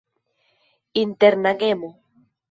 Interna gemo.